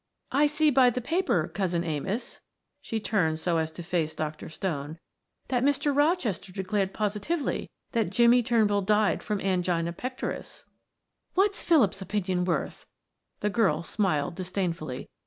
"I see by the paper, Cousin Amos" she turned so as to face Dr. Stone "that Mr. Rochester declared positively that Jimmie Turnbull died from angina pectoris." "What's Philip's opinion worth?" The young girl smiled disdainfully.